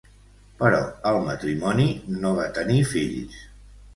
Però el matrimoni no va tenir fills.